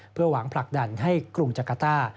เพื่อหวังผลักดันให้กรุงจักรต้า